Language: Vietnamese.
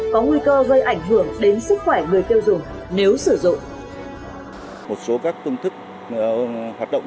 có nguy cơ gây ảnh hưởng đến sức khỏe người tiêu dùng nếu sử dụng